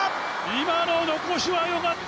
今の残しはよかった！